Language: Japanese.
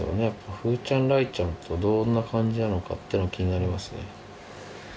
風ちゃん雷ちゃんとどんな感じなのかっていうの気になりますね。